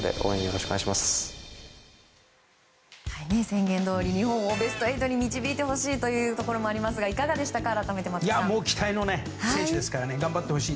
宣言どおり日本をベスト８に導いてほしいというところもありますがいかがですか。